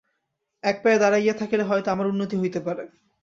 এক পায়ে দাঁড়াইয়া থাকিলে হয়তো আমার উন্নতি হইতে পারে।